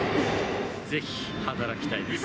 ぜひ働きたいです。